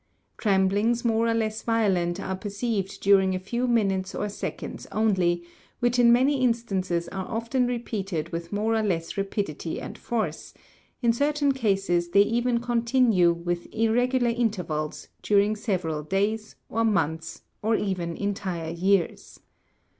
Tremblings more or less violent are perceived during a few minutes or seconds only, which in many instances are often repeated with more or less rapidity and force ; in certain cases they even continue, with irregular intervals, during several days, or months, or even entire years.